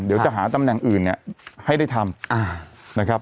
เดี๋ยวจะหาตำแหน่งอื่นเนี่ยให้ได้ทำนะครับ